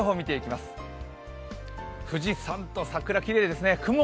富士山と桜、きれいですね。